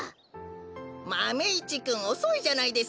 マメ１くんおそいじゃないですか！